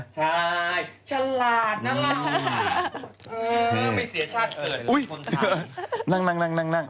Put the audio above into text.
ใช่ฉลาดน่ารัก